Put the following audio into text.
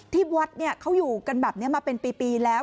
ที่วัดเขาอยู่กันแบบนี้มาเป็นปีแล้ว